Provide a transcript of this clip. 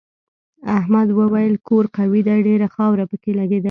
احمد وویل کور قوي دی ډېره خاوره پکې لگېدلې.